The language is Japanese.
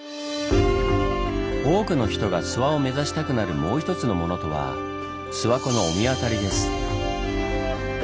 多くの人が諏訪を目指したくなるもう一つのものとは諏訪湖の御神渡りです。